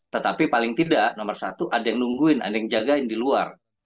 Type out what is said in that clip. yang pertama ada yang menunggu ada yang menjaga di luar